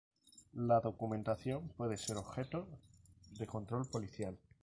La documentación puede ser objeto de control policial.